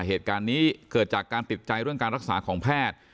เหตุการณ์นี้เกิดจากการติดใจเรื่องการรักษาของแพทย์